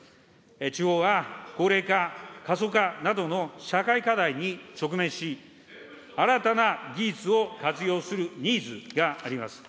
地方は高齢化、過疎化などの社会課題に直面し、新たな技術を活用するニーズがあります。